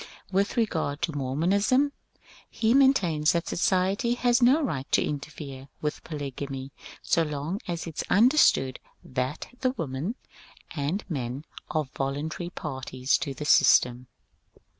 With regard to Mormonism he maintains that society has no right to interfere with polygamy so long as it is understood that the women and men are voluntary parties to the system.